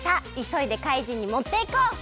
そいでかいじんにもっていこう！